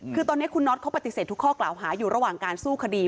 คือตอนนี้คุณน็อตเขาปฏิเสธทุกข้อกล่าวหาอยู่ระหว่างการสู้คดี